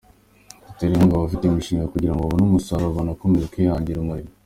Dutera inkunga abafite imishinga kugira ngo babone umusaruro, banakomeze kwihangira imirimo.